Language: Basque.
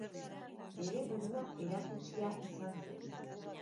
Bere burua erakutsia izan zen.